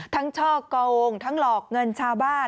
ทั้งชอกกองทั้งหลอกเงินชาวบ้าน